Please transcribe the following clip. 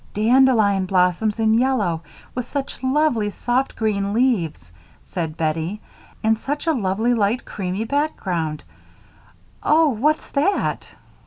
"Dandelion blossoms in yellow, with such lovely soft green leaves," said Bettie, "and such a lovely, light, creamy background. Oh! what's that?"